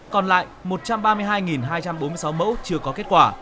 còn lại một trăm ba mươi hai hai trăm bốn mươi sáu mẫu chưa có kết quả